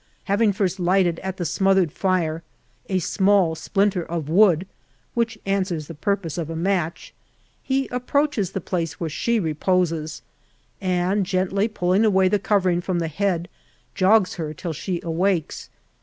Having first lighted at the smothered fire a small splinter of wood, which answers the purpose of a match, he approaches the place where she repo ses, and gently pulling away the covering from the head, jogs her till she awakes.